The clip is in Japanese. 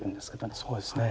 そうですね。